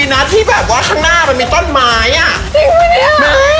อ๋อเกือบตายแล้วนั่น